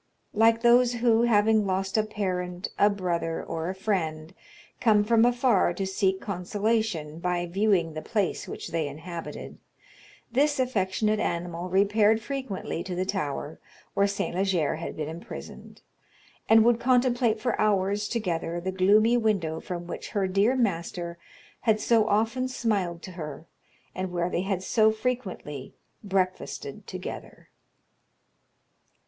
Like those who, having lost a parent, a brother, or a friend, come from afar to seek consolation by viewing the place which they inhabited, this affectionate animal repaired frequently to the tower where St. Leger had been imprisoned, and would contemplate for hours together the gloomy window from which her dear master had so often smiled to her, and where they had so frequently breakfasted together."